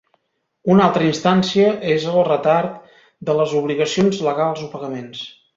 Una altra instància és el retard de les obligacions legals o pagaments.